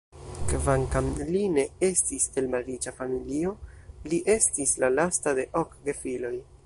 Kvankam li ne estis el malriĉa familio, li estis la lasta de ok gefiloj.